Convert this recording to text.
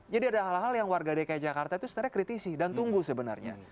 jadi ada hal hal yang warga dki jakarta itu setelahnya kritisi dan tunggu sebenarnya